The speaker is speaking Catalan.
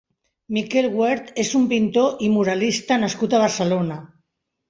Miquel Wert és un pintor i muralista nascut a Barcelona.